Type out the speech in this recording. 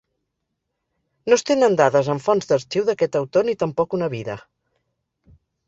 No es tenen dades en fonts d'arxiu d'aquest autor ni tampoc una vida.